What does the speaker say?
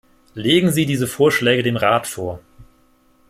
Legen Sie diese Vorschläge dem Rat vor!